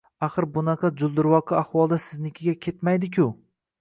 Axir bunaqa juldurvoqi ahvolda siznikiga ketmaydi-ku!